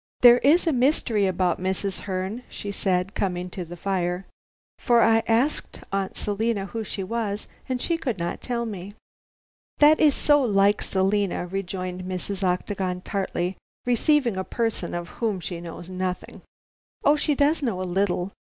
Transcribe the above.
"There is a mystery about Mrs. Herne," she said, coming to the fire; "for I asked Aunt Selina who she was, and she could not tell me." "That is so like Selina," rejoined Mrs. Octagon tartly, "receiving a person of whom she knows nothing." "Oh, she does know a little. Mrs.